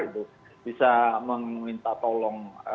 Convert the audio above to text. itu bisa meminta tolong